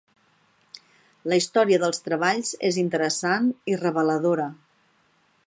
La història dels treballs és interessant i reveladora.